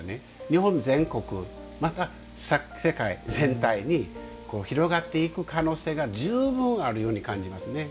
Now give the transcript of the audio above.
日本全国、また世界全体に広がっていく可能性が十分あるように感じますね。